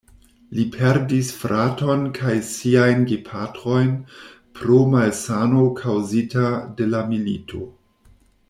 Li perdis fraton kaj siajn gepatrojn pro malsano kaŭzita de la milito.